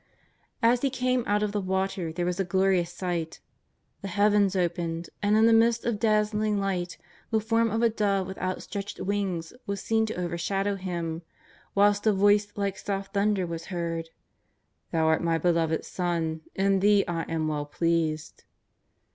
As He came out of the JESUS OF ISTAZARETH. 12.1 water there was a glorious sight: the heavens opened, and in the midst of dazzling light the form of a Dove with outstretched wings was seen to overshadow Him, whilst a Voice like soft thunder was heard: " Thou art My Beloved Son, in Thee I am well pleased.''